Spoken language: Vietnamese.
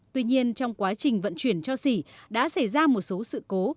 tuy nhiên trong quá trình vận chuyển cho xỉ đã xảy ra một số sự cố